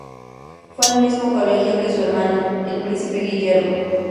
Fue al mismo colegio que su hermano, el príncipe Guillermo.